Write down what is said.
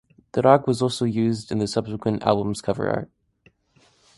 The dog was also used in the subsequent album's cover art.